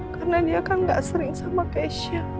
karena dia kan gak sering sama keisha